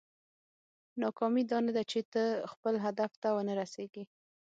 ناکامي دا نه ده چې ته خپل هدف ته ونه رسېږې.